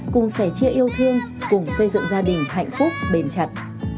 cùng sẻ chia yêu thương cùng xây dựng gia đình hạnh phúc bền chặt